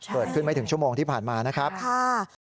เกิดขึ้นไม่ถึงชั่วโมงที่ผ่านมานะครับค่ะ